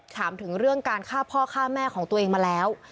ถามถึงเรื่องการฆ่าพ่อฆ่าแม่ของตัวเองมาแล้ว